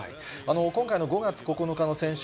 今回の５月９日の戦勝